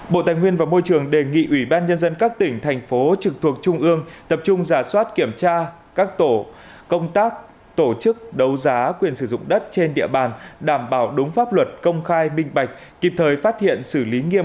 bộ tài nguyên và môi trường đề nghị ủy ban nhân dân các tỉnh thành phố trực thuộc trung ương tập trung giả soát kiểm tra các tổ công tác tổ chức đấu giá quyền sử dụng đất trên địa bàn đảm bảo đúng pháp luật công khai minh bạch kịp thời phát hiện xử lý nghiêm